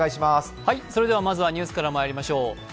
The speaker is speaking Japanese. まずはニュースからまいりましょう。